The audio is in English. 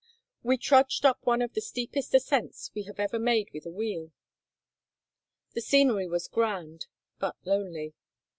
We trudged up one of the steepest ascents we have ever made with a wheel. The scenery was grand, but lonely.